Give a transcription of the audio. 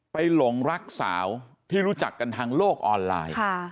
หลงรักสาวที่รู้จักกันทางโลกออนไลน์